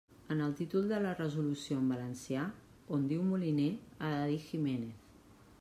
En el títol de la resolució en valencià, on diu Moliner, ha de dir Giménez.